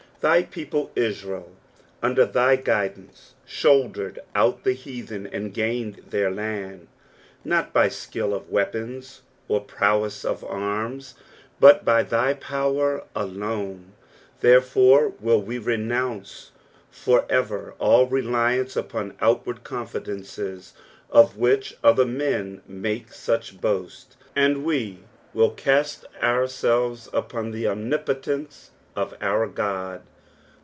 Thy people Israel, under thy guidance, shouldered out the heathen, and gained their land, not by skill of weapons or prowess of arms, but by thy power alone ; there fore will we renounce for ever all reliance upon outward confidences, of which other men make such boast, and we will cast ourselves upon (he omnipotence of our God.